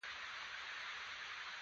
خو ځلمی صاحب کراچۍ ته ولاړ.